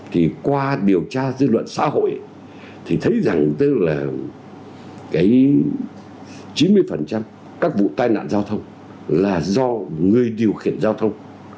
thì qua điều tra dư luận xã hội thì thấy rằng tức là cái chín mươi các vụ tai nạn giao thông là do người điều khiển giao thông